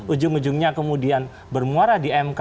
ujung ujungnya kemudian bermuara di mk